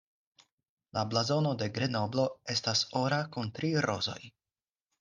La blazono de Grenoblo estas ora kun tri rozoj.